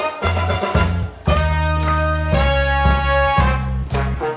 น้อยดูลายมอน